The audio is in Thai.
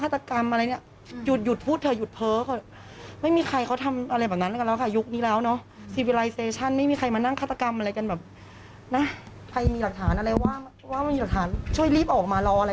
ทำมาหากินทำอย่างอื่นออมุลออนกว่าชีวิตกันได้แล้วเนาะ